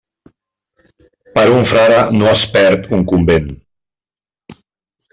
Per un frare no es perd un convent.